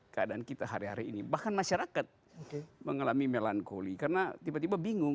keadaan kita hari hari ini bahkan masyarakat mengalami melankoli karena tiba tiba bingung